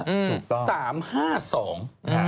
ถูกต้อง